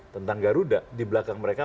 tentang garuda di belakang mereka